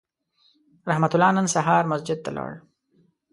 رحمت الله نن سهار مسجد ته لاړ